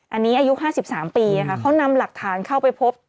อันนี้อายุ๕๓ปีนะคะเขานำหลักฐานเข้าไปพบ